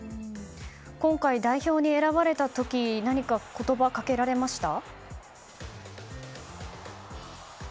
今回、代表に選ばれた時何か言葉をかけられました？